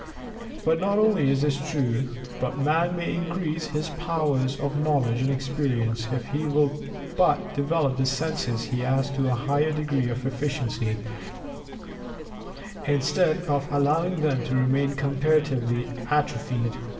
But not only is this true, but Man may increase his powers of knowledge and experience if he will but develop the senses he has to a higher degree of efficiency, instead of allowing them to remain comparatively atrophied.